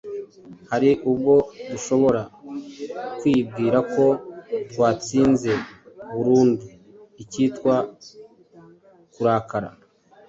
Hari ubwo dushobora kwibwira ko twatsinze burundu ikitwa kurakara,